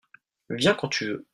viens quand tu veux.